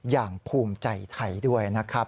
อย่างภูมิใจไทยด้วยนะครับ